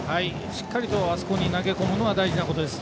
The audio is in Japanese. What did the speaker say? しっかりと、あそこに投げ込むのは大事なことです。